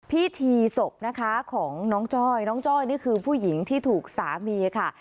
พิธีศพนะคะของน้องจ้อยน้องจ้อยนี่คือผู้หญิงที่ถูกสามีค่ะ